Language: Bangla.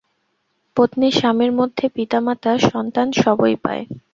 পত্নী স্বামীর মধ্যে পিতা মাতা, সন্তান সবই পায়।